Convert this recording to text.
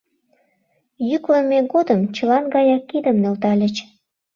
Йӱклымӧ годым чылан гаяк кидым нӧлтальыч.